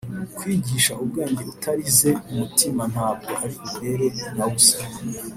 kwigisha ubwenge utarize umutima ntabwo ari uburere na busa.